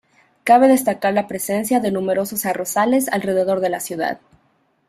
Cabe destacar la presencia de numerosos arrozales alrededor de la localidad.